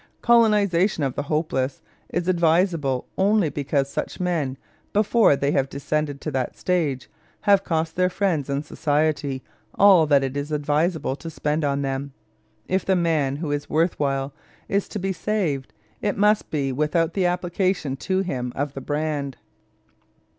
Colonization of the hopeless is advisable only because such men, before they have descended to that stage, have cost their friends and society all that it is advisable to spend on them. If the man who is worth while is to be saved, it must be without the application to him of the brand.